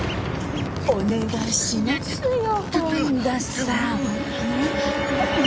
お願いしますよ